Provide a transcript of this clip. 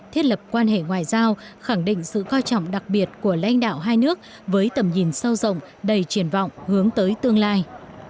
thiết lập quan hệ ngoại giao khẳng định sự coi trọng đặc biệt của lãnh đạo hai nước với tầm nhìn sâu rộng đầy triển vọng hướng tới tương lai